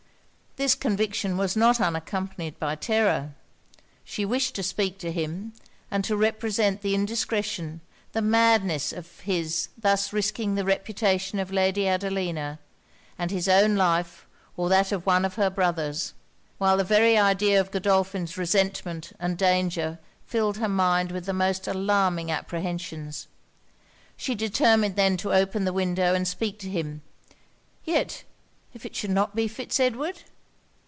This conviction was not unaccompanied by terror. She wished to speak to him; and to represent the indiscretion, the madness of his thus risking the reputation of Lady Adelina; and his own life or that of one of her brothers; while the very idea of Godolphin's resentment and danger filled her mind with the most alarming apprehensions. She determined then to open the window and speak to him: yet if it should not be Fitz Edward?